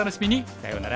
さようなら。